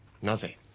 なぜ？